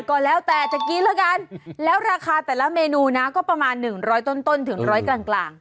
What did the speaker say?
ก็แล้วแต่จะกินแล้วกันแล้วราคาแต่ละเมนูนะก็ประมาณ๑๐๐ต้นถึงร้อยกลาง